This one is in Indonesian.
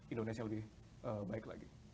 indonesia lebih baik lagi